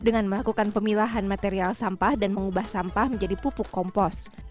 dengan melakukan pemilahan material sampah dan mengubah sampah menjadi pupuk kompos